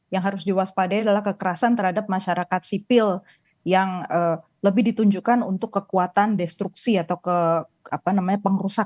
yang harus diwaspadai adalah kekerasan terhadap masyarakat sipil yang lebih ditunjukkan untuk kekuatan destruksi atau pengerusakan